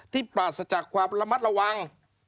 ปราศจากความระมัดระวัง